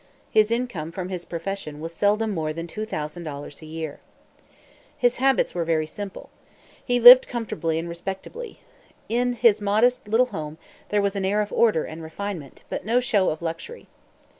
His income from his profession was seldom more than $2,000 a year. His habits were very simple. He lived comfortably and respectably. In his modest little home there was an air of order and refinement, but no show of luxury.